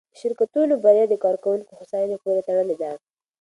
د شرکتونو بریا د کارکوونکو هوساینې پورې تړلې ده.